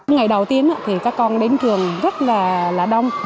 ngày đầu tiên thì các con đến trường rất là đông